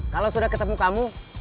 kalau sudah ketemu kamu